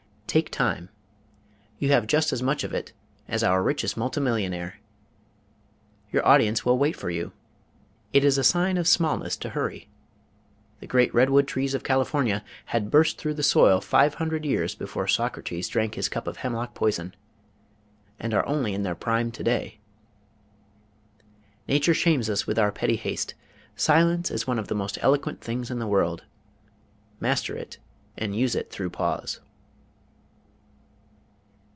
Take time, you have just as much of it as our richest multimillionaire. Your audience will wait for you. It is a sign of smallness to hurry. The great redwood trees of California had burst through the soil five hundred years before Socrates drank his cup of hemlock poison, and are only in their prime today. Nature shames us with our petty haste. Silence is one of the most eloquent things in the world. Master it, and use it through pause.